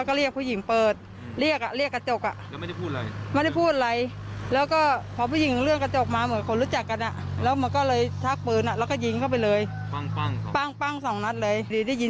มองไปที่บนนู้นบนหลักเจ๊งเห็นไหม